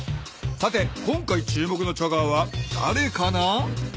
さて今回注目のチャガーはだれかな？